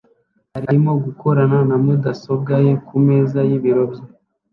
arimo gukorana na mudasobwa ye kumeza y'ibiro bye